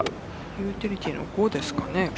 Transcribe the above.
ユーティリティーの５ですかね。